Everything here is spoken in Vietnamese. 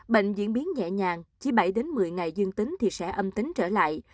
bệnh diễn biến nhẹ nhàng chỉ bảy đến một mươi ngày dương tính thì sẽ âm tính trở lại